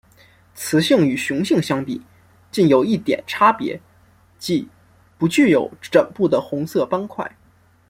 雌性与雄性相比近有一点差别即不具有枕部的红色斑块。